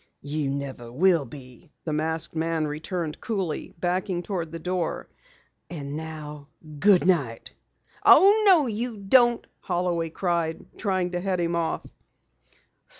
"You never will be," the masked man returned coolly, backing toward the door. "And now, goodnight." "Oh, no, you don't!" Holloway cried, trying to head him off.